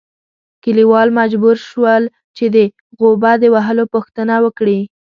کلیوال مجبور شول چې د غوبه د وهلو پوښتنه وکړي.